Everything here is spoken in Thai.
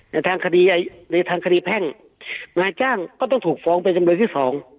ในทางคดีในทางคดีแพ่งนายจ้างก็ต้องถูกฟ้องเป็นจำเลยที่สอง